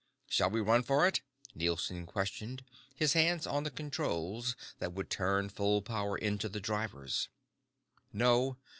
"Shall we run for it?" Nielson questioned, his hands on the controls that would turn full power into the drivers. "No.